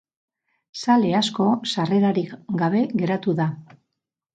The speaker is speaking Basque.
Zale asko sarrerarik gabe geratu da.